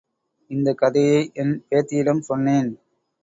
இந்தக் கதையை என் பேத்தியிடம் சொன்னேன்.